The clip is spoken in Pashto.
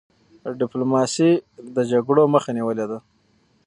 ډيپلوماسی د جګړو مخه نیولي ده.